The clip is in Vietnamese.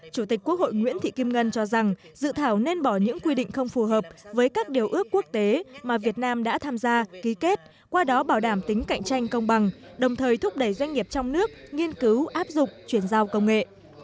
chủ tịch quốc hội nguyễn thị kim ngân cho rằng dự thảo nên bỏ những quy định không phù hợp với các điều ước quốc tế mà việt nam đã tham gia ký kết qua đó bảo đảm tính cạnh tranh công bằng đồng thời thúc đẩy doanh nghiệp trong nước nghiên cứu áp dụng chuyển giao công nghệ